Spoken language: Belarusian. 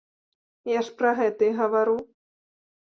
Я ж пра гэта і гавару.